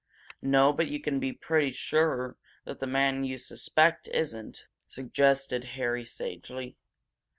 "No, but you can be pretty sure that the man you suspect isn't," suggested Harry, sagely.